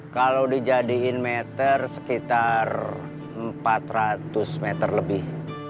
kalau dijadikan meter sekitar empat ratus meter lebih